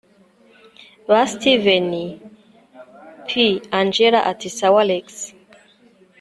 ba steven p angella ati sawa alex